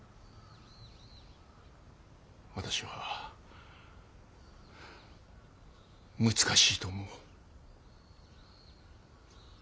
私は難しいと思う。